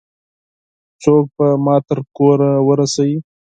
څوک به ما تر کوره ورسوي؟